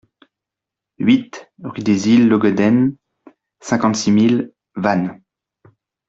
huit rue des Îles Logoden, cinquante-six mille Vannes